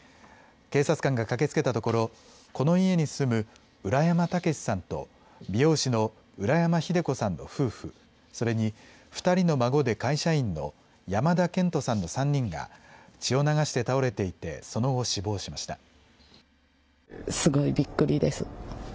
警察官が駆けつけたところこの家に住む浦山毅さんと美容師の浦山秀子さんの夫婦、それに２人の孫で会社員の山田健人さんの３人が血を流して倒れていてその後、死亡しました。